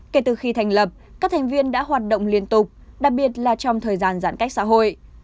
kể từ khi thành lập các thành viên đã hoạt động liên tục đặc biệt là trong thời gian giãn cách xã hội